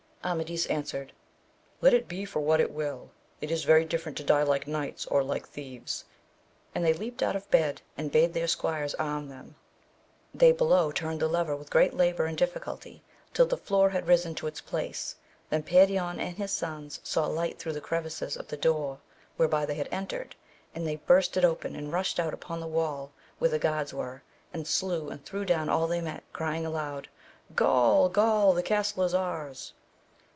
Amadis answered, let it be for what it will it is very different to die like knights or like thieves, and they leaped out of bed and bade their squires arm them. They below turned the lever with great labour and diffi culty till the floor had risen to its place ; then Perion and his sons saw light through the crevices of the door whereby they had entered, and they burst it open and rushed out upon the wall where the guards were, and slew and threw down all they met, crying aloud, Gaul ! Gaul ! the castle is ours.